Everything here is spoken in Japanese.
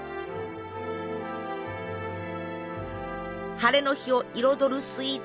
ハレの日を彩るスイーツ